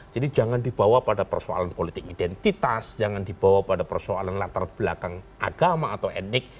jadi jangan dibawa pada persoalan politik identitas jangan dibawa pada persoalan latar belakang agama atau etnik